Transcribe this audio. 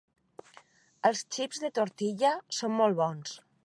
Els xips de tortilla són molt bons.